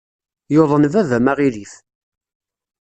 Yuḍen baba-m aɣilif.